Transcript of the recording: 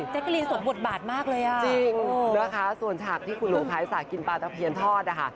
ใจกะลีนส่งบทบาทมากเลยอ่ะอุ๊ยจริงเนอะคะส่วนฉากที่คุณหลวงไทซากินป้าท้าเพียรทอดอ่ะค่ะ